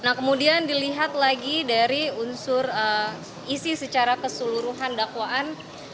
nah kemudian dilihat lagi dari unsur isi secara keseluruhan dakwaan